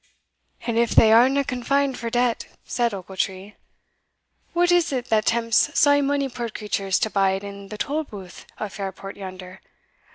"And if they arena confined for debt," said Ochiltree, "what is't that tempts sae mony puir creatures to bide in the tolbooth o' Fairport yonder?